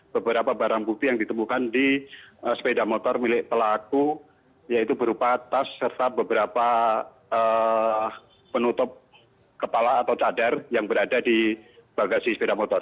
beberapa barang bukti yang ditemukan di sepeda motor milik pelaku yaitu berupa tas serta beberapa penutup kepala atau cadar yang berada di bagasi sepeda motor